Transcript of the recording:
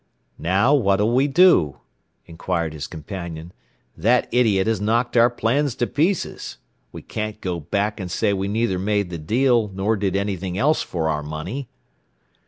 "Now what'll we do?" inquired his companion. "That idiot has knocked our plans to pieces. We can't go back and say we neither made the deal, nor did anything else for our money."